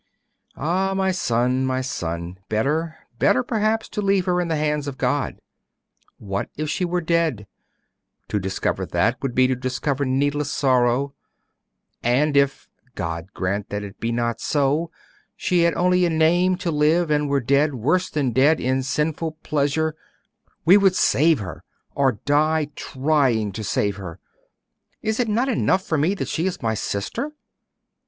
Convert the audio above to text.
'Ah, my son, my son! Better, better, perhaps, to leave her in the hands of God! What if she were dead? To discover that, would be to discover needless sorrow. And what if God grant that it be not so! she had only a name to live, and were dead, worse than dead, in sinful pleasure ' 'We would save her, or die trying to save her! Is it not enough for me that she is my sister?